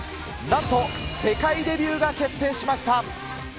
なんと世界デビューが決定しました。